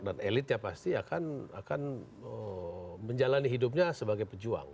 dan elitnya pasti akan menjalani hidupnya sebagai pejuang